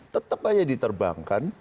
tetap hanya diterbangkan